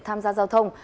tham gia giao thông